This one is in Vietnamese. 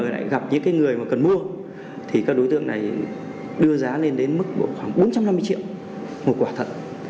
đối tượng này đưa giá lên đến mức khoảng bốn trăm năm mươi triệu một quả thận